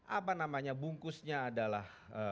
apa namanya bungkusnya adalah